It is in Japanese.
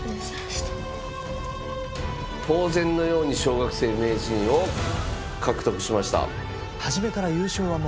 当然のように小学生名人を獲得しました。